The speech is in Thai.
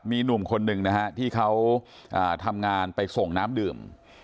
มีหนุ่มคนหนึ่งนะฮะที่เขาทำงานไปส่งน้ำดื่ม